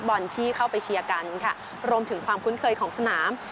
บอลที่เข้าไปเชียร์กันค่ะรวมถึงความคุ้นเคยของสนาม